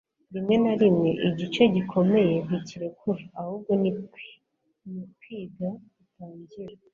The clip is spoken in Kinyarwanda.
rimwe na rimwe, igice gikomeye ntikirekura ahubwo ni kwiga gutangira